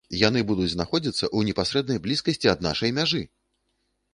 І яны будуць знаходзіцца ў непасрэднай блізкасці ад нашай мяжы!